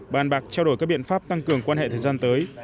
bàn bạc trao đổi các biện pháp tăng cường quan hệ thời gian tới